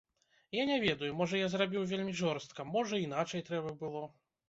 Я не ведаю, можа, я зрабіў вельмі жорстка, можа, іначай трэба было.